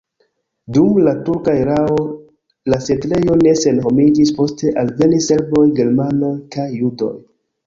Dum la turka erao la setlejo ne senhomiĝis, poste alvenis serboj, germanoj kaj judoj.